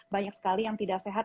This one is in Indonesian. banyak sekali yang tidak sehat